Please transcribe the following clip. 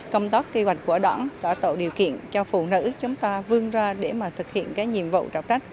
công tóc kế hoạch của đoạn đã tạo điều kiện cho phụ nữ chúng ta vươn ra để thực hiện nhiệm vụ trọc trách